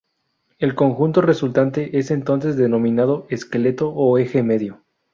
El conjunto resultante es entonces denominado esqueleto o eje medio.